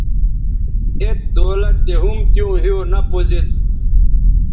ایت دولت دے ھُم تیوں ھِیو نہ پوزید